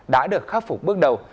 đã được khắc phục bước đầu